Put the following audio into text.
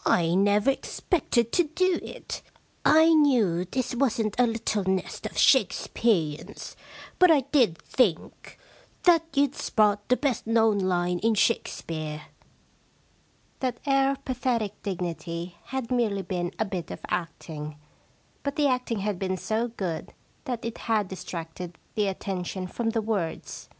* I never ex pected to do it. I knew this wasn't a little nest of Shakespeareans, but I did think that 134 The Shakespearean Problem you*d spot the best known line in Shakespeare/ That air of pathetic dignity had merely been a bit of acting, but the acting had been so good that it had distracted the attention from the words.